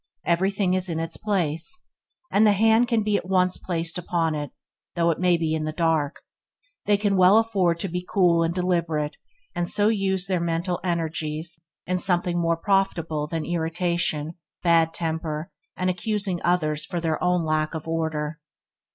Everything is in its place, and the hand can be at once placed upon it, though it be in the dark. They can well afford to be cool and deliberate and so use their mental energies in something more profitable than irritation, bad temper and accusing others for their own lack of order.